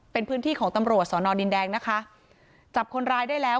เป็นพื้นที่ของตำรวจสอนอดินแดงนะคะจับคนร้ายได้แล้ว